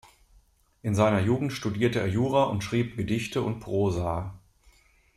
In seiner Jugend studierte er Jura und schrieb Gedichte und Prosa.